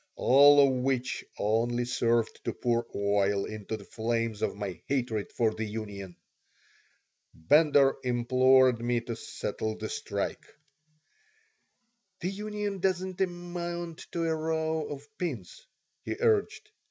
All of which only served to pour oil into the flames of my hatred for the union Bender implored me to settle the strike "The union doesn't amount to a row of pins," he urged.